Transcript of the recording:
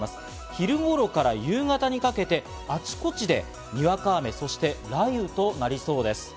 昼頃から夕方にかけてあちこちでにわか雨、そして雷雨となりそうです。